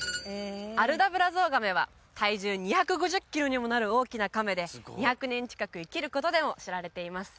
アルダブラゾウガメは体重２５０キロにもなる大きなカメで２００年近く生きることでも知られています